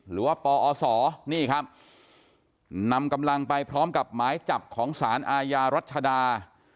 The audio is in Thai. หรือว่าปอศนี่ครับนำกำลังไปพร้อมกับหมายจับของสารอาญารัชดา